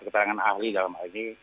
keterangan ahli dalam hal ini